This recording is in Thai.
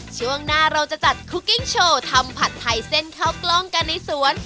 ช่วงหน้าเราจะจัดคุกกิ้งโชว์ทำผัดไทยเส้นข้าวกล้องกันในสวน